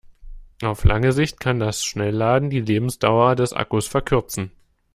Auf lange Sicht kann das Schnellladen die Lebensdauer des Akkus verkürzen.